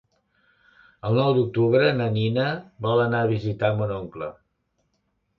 El nou d'octubre na Nina vol anar a visitar mon oncle.